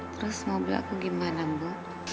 terus mobil aku gimana bu